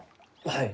はい。